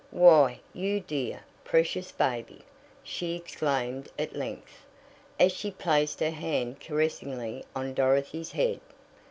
"Why, you dear, precious baby!" she exclaimed at length, as she placed her hand caressingly on Dorothy's head.